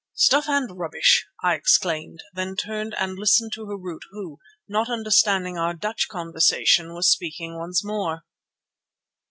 "Stuff and rubbish!" I exclaimed, then turned and listened to Harût who, not understanding our Dutch conversation, was speaking once more.